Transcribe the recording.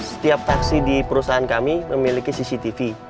setiap taksi di perusahaan kami memiliki cctv